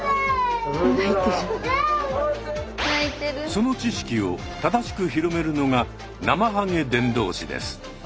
その知識を正しく広めるのがナマハゲ伝導士です。